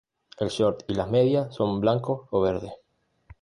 El short y las medias son blancos o verdes.